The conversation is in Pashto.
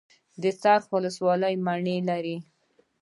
د څرخ ولسوالۍ مڼې لري